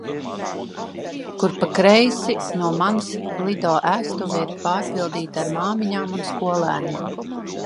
Kur pa kreisi no manis Lido ēstuve ir pārpildīta ar māmiņām un skolēniem.